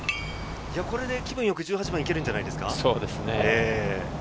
これで気分良く１８番に行けるんじゃないですか？